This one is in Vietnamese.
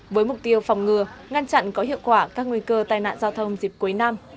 với mục tiêu phòng ngừa ngăn chặn có hiệu quả các nguy cơ tai nạn giao thông dịp cuối năm